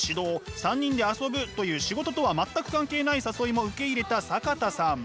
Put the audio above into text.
３人で遊ぶという仕事とは全く関係ない誘いも受け入れた坂田さん。